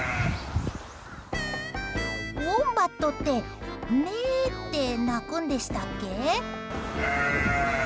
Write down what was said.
ウォンバットってメェって鳴くんでしたっけ？